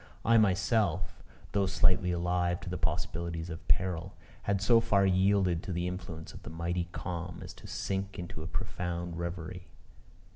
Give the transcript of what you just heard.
I myself, though slightly alive to the possibilities of peril, had so far yielded to the influence of the mighty calm as to sink into a profound reverie.